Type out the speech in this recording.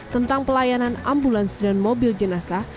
tentang pelayanan ambulans dan mobil jenazah